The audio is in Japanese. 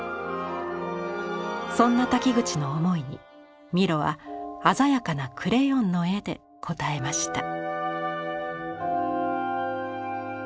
そんな瀧口の思いにミロは鮮やかなクレヨンの絵で応えました。